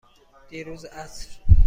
دیروز عصر.